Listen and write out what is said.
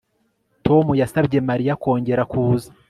Tom yasabye Mariya kongera kuza